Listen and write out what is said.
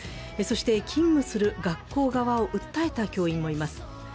そして、勤務する学校側を訴えた教員もいます。